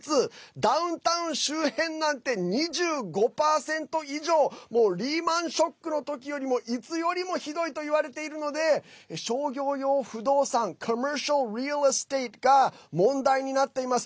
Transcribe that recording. ダウンタウン周辺なんて２５％以上リーマンショックの時よりもいつよりもひどいと言われているので商業用不動産ＣｏｍｍｅｒｃｉａｌＲｅａｌＥｓｔａｔｅが問題になっています。